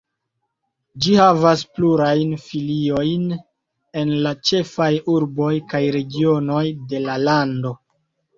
Ĝi havas plurajn filiojn en la ĉefaj urboj kaj regionoj de la lando.